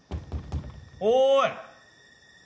おい！